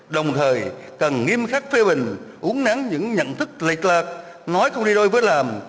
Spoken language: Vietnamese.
đồng thời cần nghiêm khắc phê bình uống nắng những nhận thức lệch lạc nói không đi đôi với làm